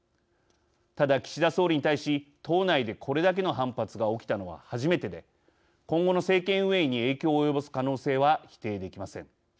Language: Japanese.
ただ、岸田総理に対し党内でこれだけの反発が起きたのは初めてで今後の政権運営に影響を及ぼす可能性は否定できません。